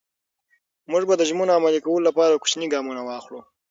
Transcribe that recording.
موږ به د ژمنو عملي کولو لپاره کوچني ګامونه واخلو.